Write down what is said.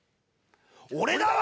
俺だわ！